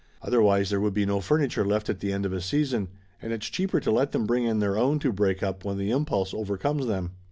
Otherwise there would be no furniture left at the end of a season and it's cheaper to let them bring in their own to break up when the impulse overcomes them.